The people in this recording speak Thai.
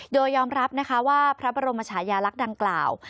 โดยยอมรับนะคะว่าพระบรมชายาลักษณ์ดังกล่าว